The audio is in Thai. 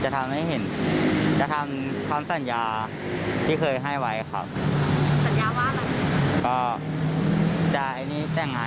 ตอนนั้นคุณผ่องเขาว่ายังไง